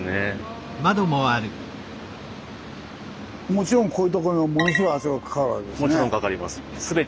もちろんこういう所にもものすごい圧力かかるわけですね。